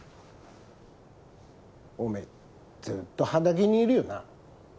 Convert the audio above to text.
おめぇずっと畑にいるよな。